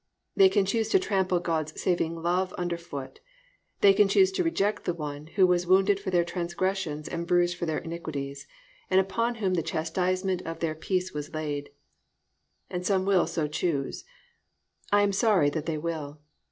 They can choose to trample God's saving love under foot. They can choose to reject the One who was wounded for their transgressions and bruised for their iniquities, and upon whom the chastisement of their peace was laid; and some will so choose. I am sorry that they will.